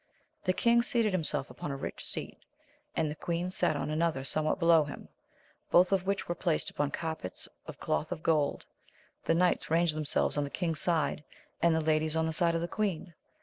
The kins seated himself upon a rich seat, and the queei on another somewhat below Yma, \io\)a. qI ^XflksS 172 AMADIS OF GAUL. placed upon carpets of cloth of gold; the knights ranged themselves on the king's side, and the ladies on the side of the queen.